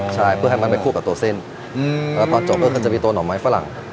ใช่เพื่อให้มันไปคู่กับตัวเส้นแล้วตอนจบก็คือจะมีตัวหน่อไม้ฝรั่ง